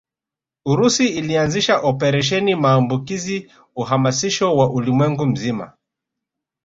Urusi ulianzisha Operesheni maambukizi uhamasisho wa ulimwengu mzima